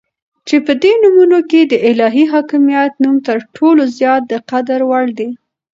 چې په دي نومونو كې دالهي حاكميت نوم تر ټولو زيات دقدر وړ دى